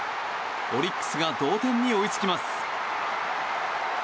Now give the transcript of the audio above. オリックスが同点に追いつきます。